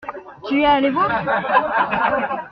Tu es allé voir?